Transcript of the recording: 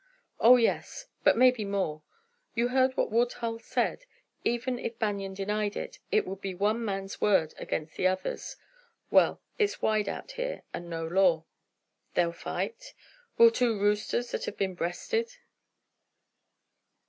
"Oh, yes; but maybe more. You heard what Woodhull said. Even if Banion denied it, it would be one man's word against the other's. Well, it's wide out here, and no law." "They'll fight?" "Will two roosters that has been breasted?"